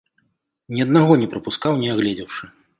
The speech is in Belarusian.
Ні аднаго не прапускаў, не агледзеўшы.